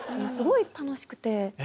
すごい楽しくて。